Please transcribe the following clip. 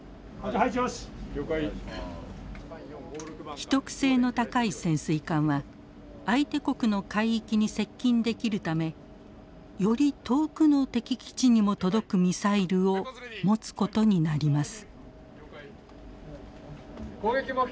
秘匿性の高い潜水艦は相手国の海域に接近できるためより遠くの敵基地にも届くミサイルを持つことになります。